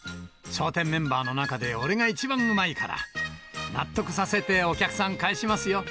笑点メンバーの中で俺が一番うまいから、納得させてお客さん帰しますよ。